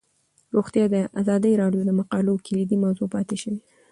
روغتیا د ازادي راډیو د مقالو کلیدي موضوع پاتې شوی.